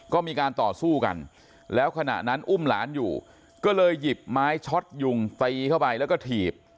ก็มีการต่อสู้กันแล้วขณะนั้นอุ้มหลานอยู่ก็เลยหยิบไม้ช็อตยุงตีเข้าไปแล้วก็ถีบ